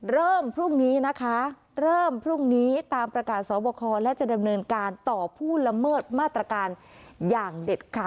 เริ่มพรุ่งนี้ตามประกาศสวคคลและจะดำเนินการต่อผู้ละเมิดมาตรการอย่างเด็ดค่ะ